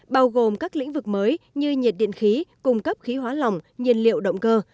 bao gồm các lĩnh vực mới như nhiệt điện khí cung cấp khí hóa lỏng nhiên liệu động cơ